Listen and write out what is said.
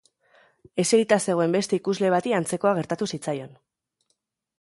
Eserita zegoen beste ikusle bati antzekoa gertatu zitzaion.